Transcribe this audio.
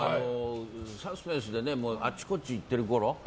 サスペンスであちこち行ってるころ